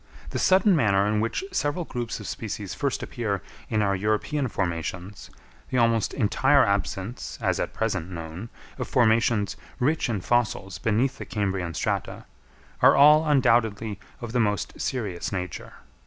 The sudden manner in which several groups of species first appear in our European formations, the almost entire absence, as at present known, of formations rich in fossils beneath the Cambrian strata, are all undoubtedly of the most serious nature.